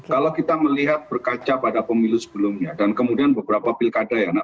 kalau kita melihat berkaca pada pemilu sebelumnya dan kemudian beberapa pilkada ya